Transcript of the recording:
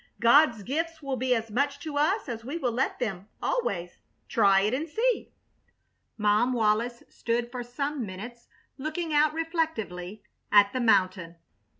God's gifts will be as much to us as we will let them, always. Try it and see." Mom Wallis stood for some minutes looking out reflectively at the mountain.